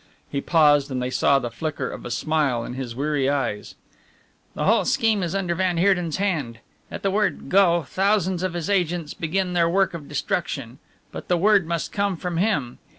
He paused, and they saw the flicker of a smile in his weary eyes. "The whole scheme is under van Heerden's hand. At the word 'Go' thousands of his agents begin their work of destruction but the word must come from him.